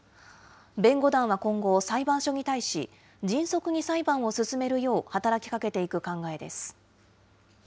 弁護団は今後、裁判所に対し、迅速に裁判を進めるよう働きかけていく考えです。